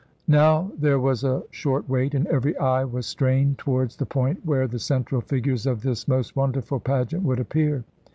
Now there was a short wait, and every eye was strained towards the point where the central figures of this most wonderful pageant would appear.